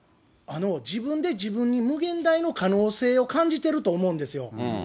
自分で自分に無限大の可能性を感じてると思うんですよ。